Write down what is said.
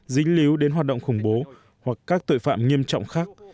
dính líu đến hoạt động khủng bố hoặc các tội phạm nghiêm trọng khác